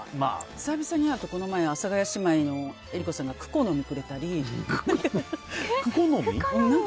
久々に会うと、この前阿佐ヶ谷姉妹の江里子さんがクコの実をくれたり。